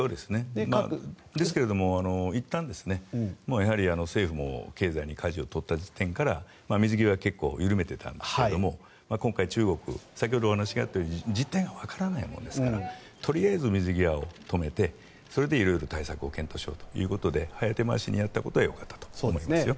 ですけれども、いったん、政府も経済にかじを取った時点から水際は結構緩めてたんですけど今回、中国は先ほどお話があったように実態が分からないものですからとりあえず、水際で止めてそれでいろいろ対策を検討しようということでやったことは良かったと思いますよ。